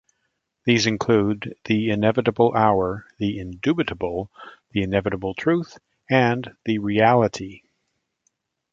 These include "The Inevitable Hour", "The Indubitable", "The Inevitable Truth", and "The Reality".